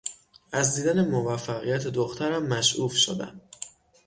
از دیدن موفقیت دخترم مشعوف شدم.